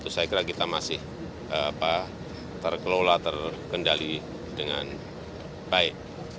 saya kira kita masih terkelola terkendali dengan baik